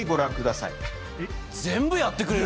全部やってくれる。